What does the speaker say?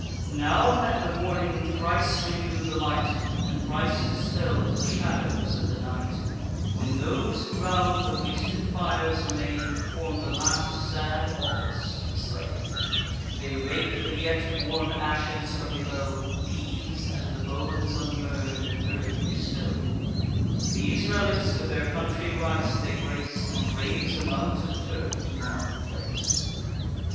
Now had the morning thrice renew'd the light, And thrice dispell'd the shadows of the night, When those who round the wasted fires remain, Perform the last sad office to the slain. They rake the yet warm ashes from below; These, and the bones unburn'd, in earth bestow; These relics with their country rites they grace, And raise a mount of turf to mark the place.